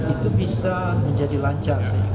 itu bisa menjadi lancar sih